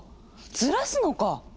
ずらすのか！